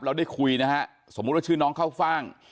เราได้คุยนะฮะสมมุติว่าชื่อน้องเข้าฟ่าง